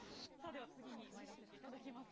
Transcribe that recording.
では次にまいらせていただきます。